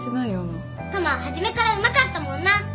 タマは初めからうまかったもんな。